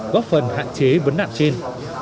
góp phần hạn chế vấn đạn trên